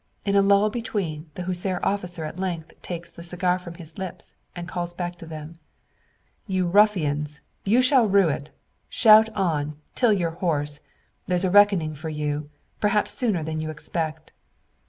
In a lull between, the Hussar officer at length takes the cigar from his lips, and calls back to them "You ruffians! You shall rue it! Shout on till you're hoarse. There's a reckoning for you, perhaps sooner than you expect."